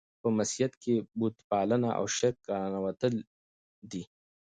په مسیحیت کښي بت پالنه او شرک راننوتل دي.